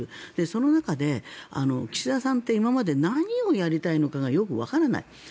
その中で岸田さんって今まで何をやりたいのかがよくわからない。